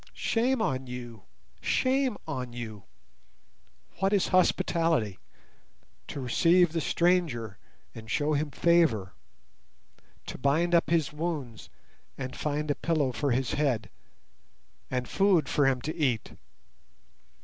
Shame on you! Shame on you! What is hospitality? To receive the stranger and show him favour. To bind up his wounds, and find a pillow for his head, and food for him to eat.